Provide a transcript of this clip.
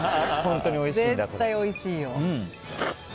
絶対おいしいよ。